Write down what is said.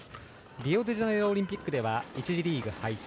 リオデジャネイロオリンピックでは１次リーグ敗退。